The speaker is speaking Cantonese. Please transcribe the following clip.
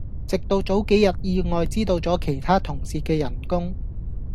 直到早幾日意外知道咗其他同事既人工